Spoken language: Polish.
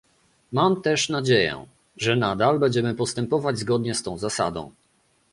Mam też nadzieję, że nadal będziemy postępować zgodnie z tą zasadą